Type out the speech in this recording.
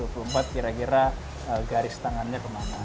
kira kira garis tangannya kemana